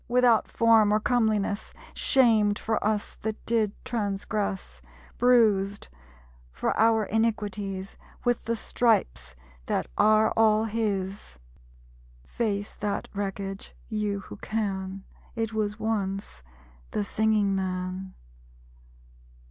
Without form or comeliness; Shamed for us that did transgress; Bruised, for our iniquities, With the stripes that are all his! Face that wreckage, you who can. It was once the Singing Man.